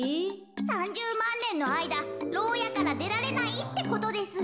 ３０まんねんのあいだろうやからでられないってことです。